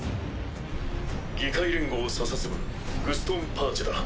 議会連合査察部グストン・パーチェだ。